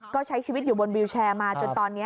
ก็ใช้ชีวิตอยู่บนวิวแชร์มาจนตอนนี้